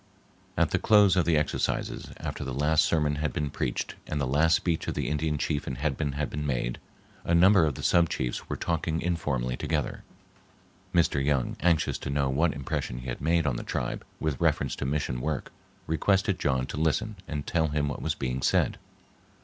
At the close of the exercises, after the last sermon had been preached and the last speech of the Indian chief and headmen had been made, a number of the sub chiefs were talking informally together. Mr. Young, anxious to know what impression he had made on the tribe with reference to mission work, requested John to listen and tell him what was being said.